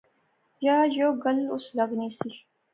یا یو گل اس لغنی سی